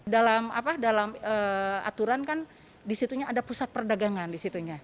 dalam aturan kan disitunya ada pusat perdagangan disitunya